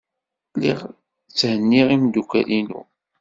Lliɣ tthenniɣ imeddukal-inu.